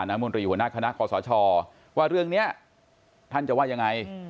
ก็อันนี้มีอดีตรงธรรมตรีมาพบพี่จาน